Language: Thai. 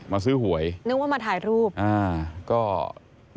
มาซื้อหวยอาร์โชน์นึกว่ามาถ่ายรูป